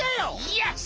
よし！